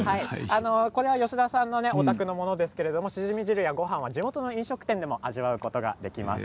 吉田さんのお宅のものですがシジミやごはんは地元の飲食店でも味わうことができます。